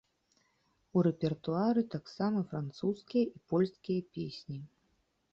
У рэпертуары таксама французскія і польскія песні.